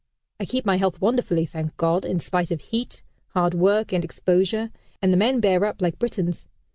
I keep my health wonderfully, thank God! in spite of heat, hard work and exposure; and the men bear up like Britons.